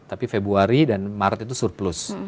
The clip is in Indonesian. tapi februari dan maret itu surplus